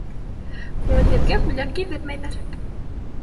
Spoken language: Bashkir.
Күңелһеҙгә күлдәк кейҙермәйҙәр.